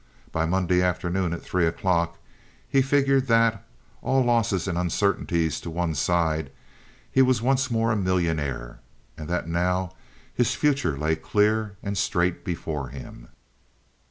By Monday afternoon at three o'clock he figured that, all losses and uncertainties to one side, he was once more a millionaire, and that now his future lay clear and straight before him.